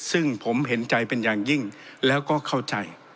ซึ่งผมเห็นใจเป็นอย่างยิ่งแล้วก็เข้าใจ